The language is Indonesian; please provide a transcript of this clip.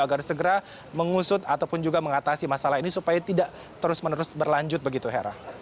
agar segera mengusut ataupun juga mengatasi masalah ini supaya tidak terus menerus berlanjut begitu hera